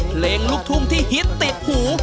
เพลงลูกทุ่งที่ฮิตติดหู